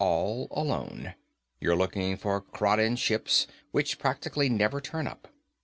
All alone. You're looking for Kraden ships which practically never turn up.